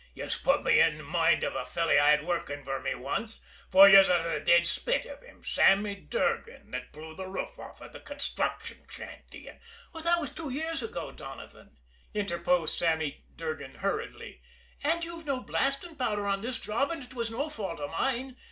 "Yez put me in moind av a felley I had workin' fer me wance, for yez are the dead spit av him, Sammy Durgan, that blew the roof off av the construction shanty, an' " "That was two years ago, Donovan," interposed Sammy Durgan hurriedly, "and you've no blasting powder on this job, and it was no fault of mine.